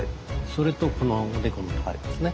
それとこのおでこのところですね。